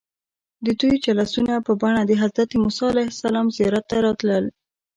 دوی جلوسونه په بڼه د حضرت موسى علیه السلام زیارت ته راتلل.